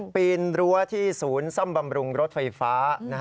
ปีนรั้วที่ศูนย์ซ่อมบำรุงรถไฟฟ้า